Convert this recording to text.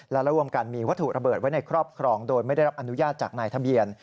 และรวมกันมีวัตถุระเบิดไว้ในครอบครองโดยไม่ได้รับอนุญาตจากนายทะเบียน